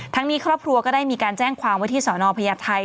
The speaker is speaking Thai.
นี้ครอบครัวก็ได้มีการแจ้งความว่าที่สอนอพญาไทย